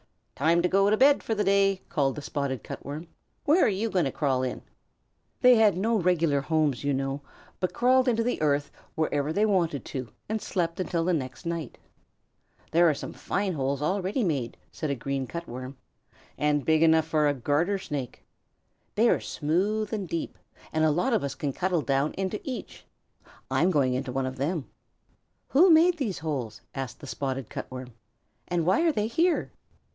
"Time to go to bed for the day," called the Spotted Cut Worm. "Where are you going to crawl in?" They had no regular homes, you know, but crawled into the earth wherever they wanted to and slept until the next night. "Here are some fine holes already made," said a Green Cut Worm, "and big enough for a Garter Snake. They are smooth and deep, and a lot of us can cuddle down into each. I'm going into one of them." "Who made those holes?" asked the Spotted Cut Worm; "and why are they here?"